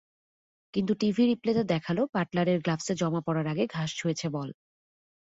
কিন্তু টিভি রিপ্লেতে দেখাল বাটলারের গ্লাভসে জমা পড়ার আগে ঘাস ছুঁয়েছে বল।